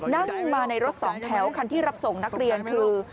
นั่งมาในรถสองแถวคันที่รับส่งนักเรียนคือ